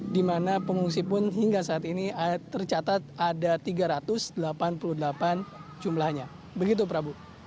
di mana pengungsi pun hingga saat ini tercatat ada tiga ratus delapan puluh delapan jumlahnya begitu prabu